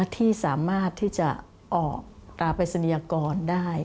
ที่สามารถที่จะออกตราปริศนียากรได้